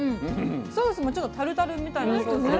ソースもちょっとタルタルみたいなソースで。